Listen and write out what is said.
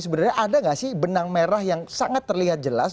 sebenarnya ada nggak sih benang merah yang sangat terlihat jelas